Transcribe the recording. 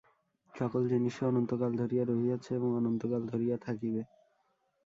সকল জিনিষই অনন্তকাল ধরিয়া রহিয়াছে এবং অনন্তকাল ধরিয়া থাকিবে।